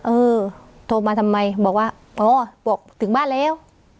เออโทรมาทำไมบอกว่าอ๋อบอกถึงบ้านแล้ว